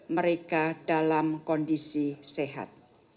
mereka dalam kondisi sehat